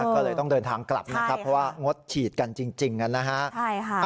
ก็เลยต้องเดินทางกลับนะครับเพราะว่างดฉีดกันจริงนะฮะ